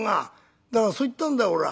だからそう言ったんだよ俺は。